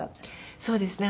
そうですね。